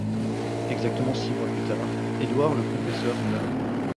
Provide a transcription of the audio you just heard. Exactement six mois plus tard, Édouard le Confesseur meurt.